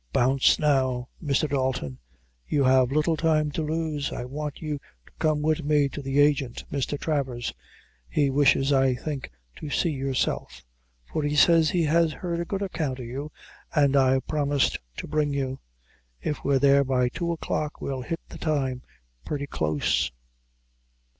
Bounce, now, Mr. Dalton; you have little time to lose. I want you to come wid me to the agent, Mr. Travers. He wishes, I think, to see yourself, for he says he has heard a good account o' you, an' I promised to bring you. If we're there about two o'clock we'll hit the time purty close."